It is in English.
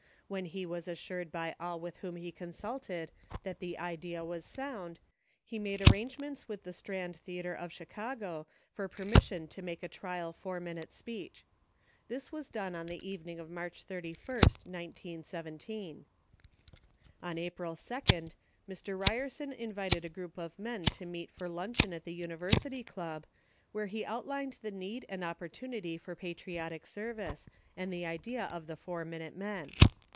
When he was assured by all with whom he consulted that the idea was sound, he made arrangements with the Strand Theatre of Chicago, for permission to make a trial four minute speech. This was done on the evening of March 31, 1917. On April 2, Mr. Ryerson invited a group of men to meet for luncheon at the University Club, where he out lined the need and opportunity for patriotic service, and the idea of the Four Minute Men.